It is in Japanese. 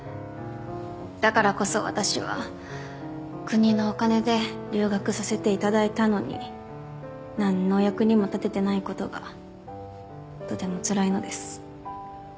だからこそ私は国のお金で留学させて頂いたのになんのお役にも立ててない事がとてもつらいのです。